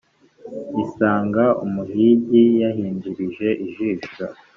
isanga umuhigi yahindurije ijisho,